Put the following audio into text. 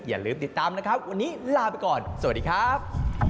อย่าลืมติดตามนะครับวันนี้ลาไปก่อนสวัสดีครับ